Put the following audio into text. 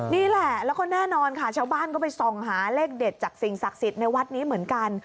นี่แหละแล้วก็แน่นอนค่ะชาวบ้านก็ไปส่องหาเลขเด็ดจากสิ่งศักดิ์สิทธิ์ในวัดนี้เหมือนกัน